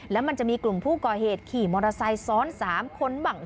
แล้วมันจะมีกลุ่มผู้ก่อเหตุขี่มอเตอร์ไซค์ซ้อน๓คนบ้าง